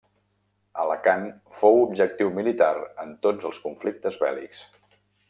Alacant fou objectiu militar en tots els conflictes bèl·lics.